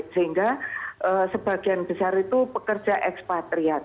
sehingga sebagian besar itu pekerja ekspatriat